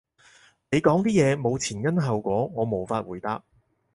你講啲嘢冇前因後果，我無法回答